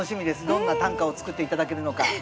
どんな短歌を作って頂けるのか。